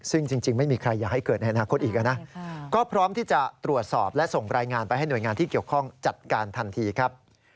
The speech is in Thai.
ซึ่งจริงไม่มีใครอยากให้เกิดในอนาคตอีกนะก็พร้อมที่จะตรวจสอบและส่งรายงานไปให้หน่วยงานที่เกี่ยวข้องจัดการทันทีครับ